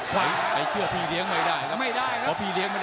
ใครเชื่อพี่เลี้ยงไม่ได้นะครับ